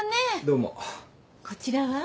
こちらは？